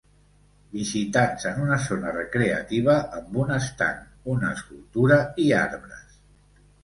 Visitants en una zona recreativa amb un estanc, una escultura i arbres